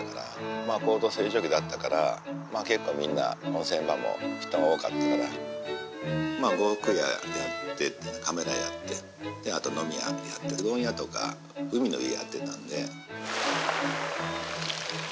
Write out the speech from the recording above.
まあ高度成長期だったから結構みんな温泉場も人が多かったから呉服屋やってカメラ屋やってあと飲み屋やってうどん屋とか海の家やってたんで。